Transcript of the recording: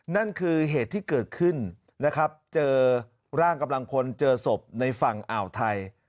นั่นคือเหตุที่เกิดขึ้นนะครับเจอร่างกำลังพลเจอศพในฝั่งอ่าวไทย